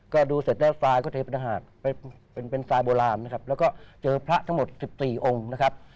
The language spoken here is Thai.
ก็ดูเสร็จแล้วไฟล์ก็เทเป็นทหารเป็นไฟล์โบราณนะครับแล้วก็เจอพระทั้งหมด๑๔องค์นะครับ